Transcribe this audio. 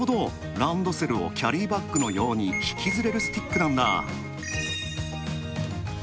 ランドセルをキャリーバッグのように引きずれるスティックなんだ。